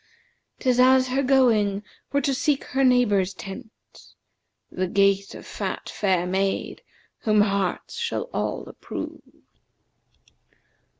'Tis as her going were to seek her neighbour's tent, * The gait of fat fair maid, whom hearts shall all approve.'